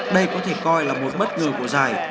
đây có thể coi là một bất ngờ của giải